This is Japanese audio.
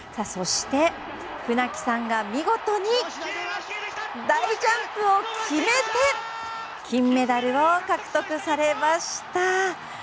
そして船木さんが見事に大ジャンプを決めて金メダルを獲得されました。